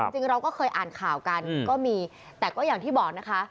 จริงเราก็เคยอ่านข่าวกันก็มีแต่ก็อย่างที่บอกนะคะ